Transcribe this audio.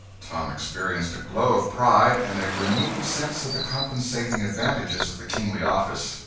Tom experienced a glow of pride and a renewed sense of the compensating advantages of the kingly office.